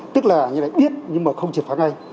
tức là người đánh biết nhưng mà không triệt phá ngay